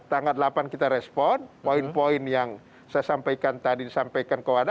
tanggal delapan kita respon poin poin yang saya sampaikan tadi disampaikan ke wadah